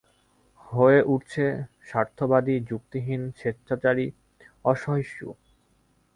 হয়ে উঠছে স্বার্থবাদী, যুক্তিহীন, স্বেচ্ছাচারী, অসহিষ্ণু।